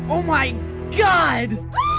โอ้มายก็อด